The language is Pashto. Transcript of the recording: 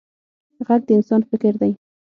غږ د انسان فکر دی